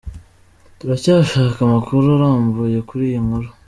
Turacyashaka amakuru arambuye kuri iyi nkuru